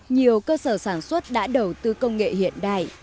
nhiều cơ sở sản xuất đã đầu tư công nghệ hiện đại